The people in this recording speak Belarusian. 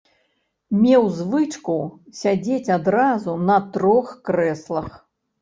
Меў звычку сядзець адразу на трох крэслах.